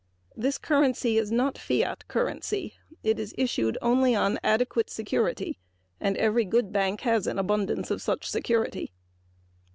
This currency is not fiat currency. It is issued only on adequate security and every good bank has an abundance of such security.